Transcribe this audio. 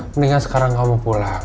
mendingan sekarang kamu pulang